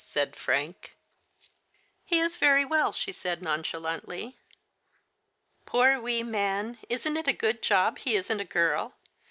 " said Frank. "He is very well," she said nonchalantly. " Poor wee man, isn't it a good job he isn't a girl